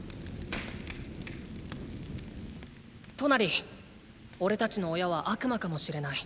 トナリおれたちの親は悪魔かもしれない。